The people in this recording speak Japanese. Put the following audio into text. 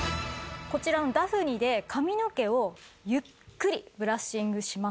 こちらのダフニで髪の毛をゆっくりブラッシングします。